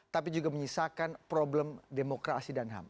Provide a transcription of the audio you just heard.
tapi juga menyisakan problem demokrasi dan ham